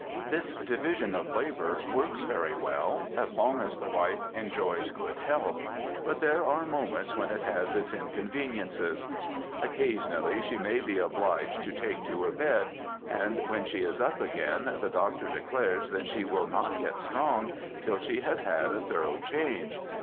This division of labour works very well as long as the wife ^^ enjoys good health," but there are moments when it has its inconveniences. Occasionally she may be obliged to take to her bed, and when she is up again the doctor declares that she will not get strong till she has had a thorough change.